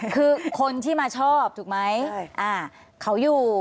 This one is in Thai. คือคนที่มาชอบถูกไหมเขาอยู่